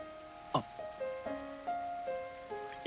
あっ！